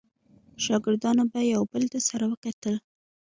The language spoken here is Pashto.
شاګردانو به یو بل ته سره وکتل.